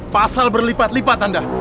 pasal berlipat lipat anda